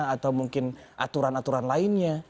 atau mungkin aturan aturan lainnya